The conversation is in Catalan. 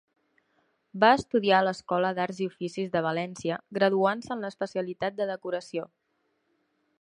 Va estudiar a l'Escola d'Arts i Oficis de València graduant-se en l'especialitat de Decoració.